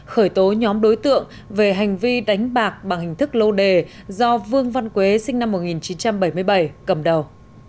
khởi tố nhóm đối tượng về hành vi đánh bạc bằng hình thức lô đề do vương văn quế sinh năm một nghìn chín trăm bảy mươi bảy cầm đầu